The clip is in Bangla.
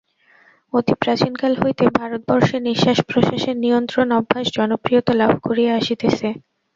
অতি প্রাচীনকাল হইতে ভারতবর্ষে নিঃশ্বাস-প্রশ্বাসের নিয়ন্ত্রণ-অভ্যাস জনপ্রিয়তা লাভ করিয়া আসিতেছে।